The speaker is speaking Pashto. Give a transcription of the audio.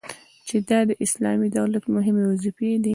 چي دا د اسلامي دولت مهمي وظيفي دي